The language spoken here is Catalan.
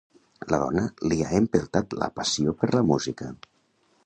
La dona li ha empeltat la passió per la música.